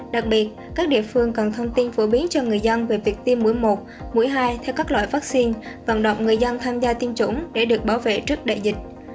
đặc biệt các địa phương cần thông tin phổ biến cho người dân về việc tiêm mũi một mũi hai theo các loại vaccine vận động người dân tham gia tiêm chủng để được bảo vệ trước đại dịch